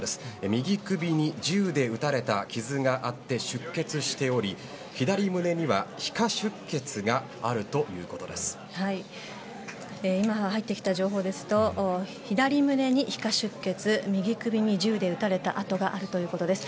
右首に銃で撃たれた傷があって出血しており左胸には皮下出血が今入ってきた情報ですと左胸に皮下出血右首に銃で撃たれた痕があるということです。